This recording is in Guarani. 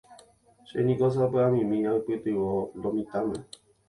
Chéniko sapy'amimi aipytyvõ lo mitãme.